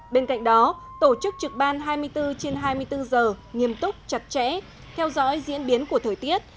bên cạnh đó tổ chức trực ban hai mươi bốn trên hai mươi bốn giờ nghiêm túc chặt chẽ theo dõi diễn biến của thời tiết